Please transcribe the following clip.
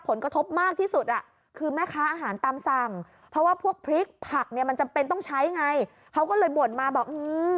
เพราะว่าพวกพริกผักเนี้ยมันจำเป็นต้องใช้ไงเขาก็เลยบวชมาบอกอื้อ